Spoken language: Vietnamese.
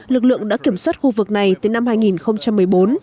lực lượng đã kiểm soát khu vực này từ năm hai nghìn một mươi bốn